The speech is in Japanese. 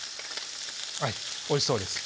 おいしそうです